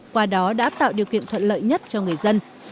qua đó đã tạo điều kiện thuận lợi nhất cho người dân